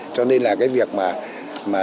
cho nên là cái việc mà